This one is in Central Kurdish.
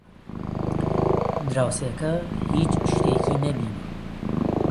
دراوسێکە هیچ شتێکی نەبینی.